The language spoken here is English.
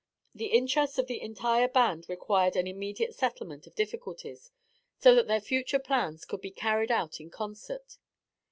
The interests of the entire band required an immediate settlement of difficulties, so that their future plans could be carried out in concert.